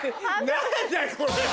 何だこれは！